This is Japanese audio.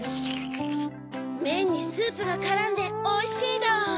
めんにスープがからんでおいしいどん！